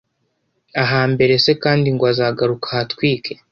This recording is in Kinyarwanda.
ahambere se kandi ngo azagaruka ahatwike.